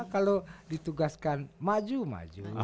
kalau ditugaskan maju maju